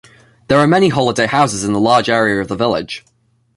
There are many holiday houses in the large area of the village.